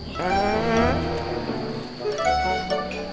buang pelan pelan lagi